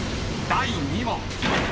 第２問］